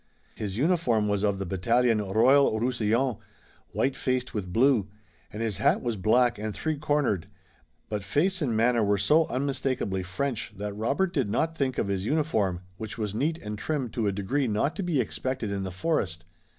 His uniform was of the battalion Royal Roussillon, white faced with blue, and his hat was black and three cornered, but face and manner were so unmistakably French that Robert did not think of his uniform, which was neat and trim to a degree not to be expected in the forest.